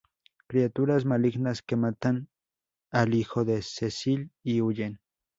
Criaturas malignas que matan al hijo de Cecil y huyen.